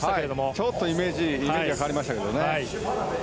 ちょっとイメージが変わりましたけどね。